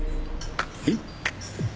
はい？